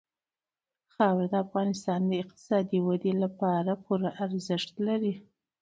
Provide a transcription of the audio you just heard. خاوره د افغانستان د اقتصادي ودې لپاره پوره ارزښت لري.